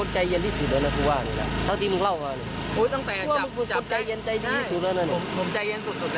จริงจริงจริงมึงไปเจอบ้านกูเลย